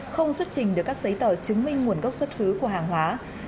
không xuất trình được các giấy tờ chứng minh nguồn gốc xuất xứ của hàng hóa